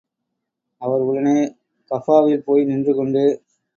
அவர் உடனே கஃபாவில் போய் நின்று கொண்டு.